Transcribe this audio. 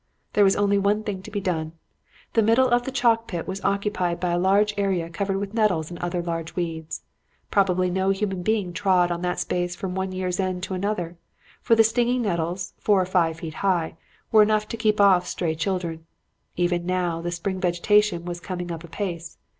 There was only one thing to be done. The middle of the chalk pit was occupied by a large area covered with nettles and other large weeds. Probably no human being trod on that space from one year's end to another, for the stinging nettles, four or five feet high, were enough to keep off stray children. Even now the spring vegetation was coming up apace.